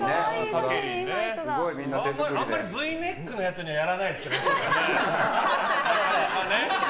あんまりＶネックのやつにはやらないですよね。